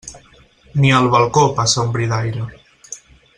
Ni al balcó passa un bri d'aire.